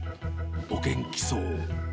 お元気そう。